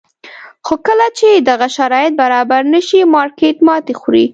خو کله چې دغه شرایط برابر نه شي مارکېټ ماتې خوري.